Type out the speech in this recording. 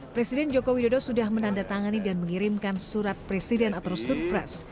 presiden joko widodo sudah menandatangani dan mengirimkan surat presiden atau surpres